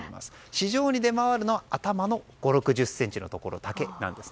市場に出回るのは頭の５０６０ｃｍのところだけです。